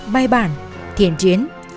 bay bản thiện chiến